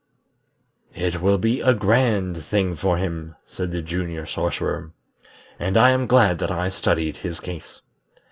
"It will be a grand thing for him," said the Junior Sorcerer, "and I am glad that I studied his case.